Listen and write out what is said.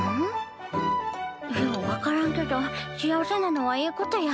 よう分からんけど幸せなのはええことや。